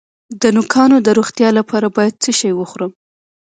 د نوکانو د روغتیا لپاره باید څه شی وخورم؟